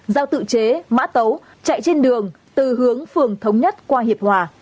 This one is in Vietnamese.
giao tự chế mã tấu chạy trên đường từ hướng phường thống nhất qua hiệp hòa